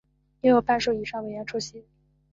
应有半数以上委员出席